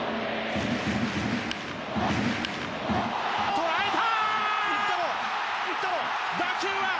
捉えた！